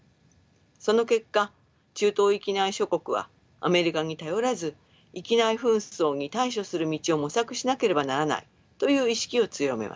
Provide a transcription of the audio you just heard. その結果中東域内諸国はアメリカに頼らず域内紛争に対処する道を模索しなければならないという意識を強めます。